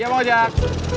iya bang ojat